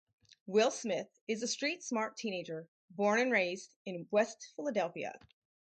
Will Smith is a street smart teenager, born and raised in West Philadelphia.